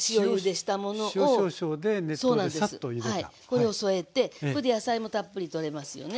これを添えてこれで野菜もたっぷりとれますよね。